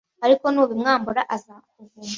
Ariko nubimwambura, azakuvuma